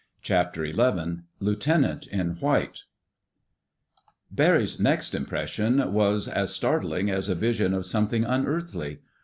CHAPTER ELEVEN LIEUTENANT IN WHITE Barry's next impression was as startling as a vision of something unearthly.